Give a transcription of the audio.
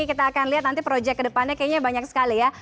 kita akan lihat nanti project kedepannya kayaknya banyak sekali ya